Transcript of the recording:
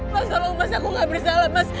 mas tolong mas aku gak bersalah mas